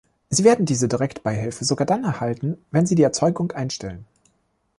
Sie werden diese Direktbeihilfe sogar dann erhalten, wenn sie die Erzeugung einstellen.